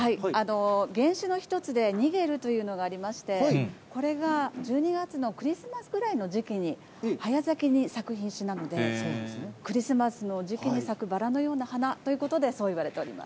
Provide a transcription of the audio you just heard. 原種の一つでニゲルというのがありまして、これが１２月のクリスマスぐらいの時期に早咲きに咲く品種なのでクリスマスの時期に咲くバラのような花ということで、そういわれております。